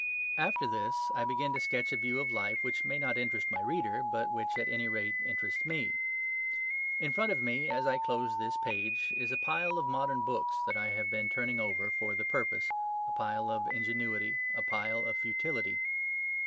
After this I begin to sketch a view of life which may not interest my reader, but which, at any rate, interests me. In front of me, as I close this page, is a pile of modern books that I have been turning over for the purpose a pile of ingenuity, a pile of futility.